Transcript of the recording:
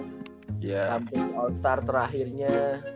kampe all star terakhirnya